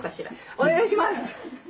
お願いします！